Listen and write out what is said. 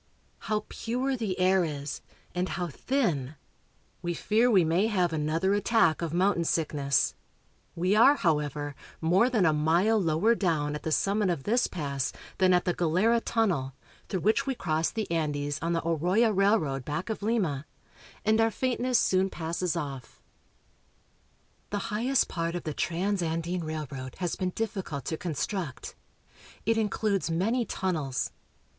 How pure the air is, and how thin ! We fear we may have another attack of mountain sickness. We are, how A Condor. ACROSS SOUTH AMERICA. 121 ever, more than a mile lower down at the summit of this pass than at the Galera tunnel, through which we crossed the Andes on the Oroya Railroad back of Lima, and our faintness soon passes off. The highest part of the Transandine Railroad has been difficult to construct. It includes many tunnels.